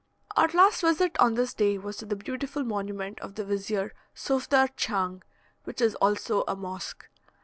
Our last visit on this day was to the beautiful monument of the Vizier Sofdar Dchang, which is also a mosque.